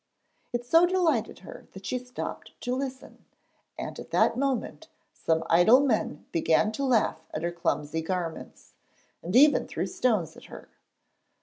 It so delighted her that she stopped to listen, and at that moment some idle men began to laugh at her clumsy garments, and even threw stones at her.